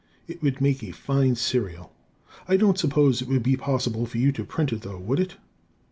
It would make a fine serial. I don't suppose it would be possible for you to print it, though, would it?